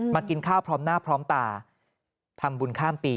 กินข้าวพร้อมหน้าพร้อมตาทำบุญข้ามปี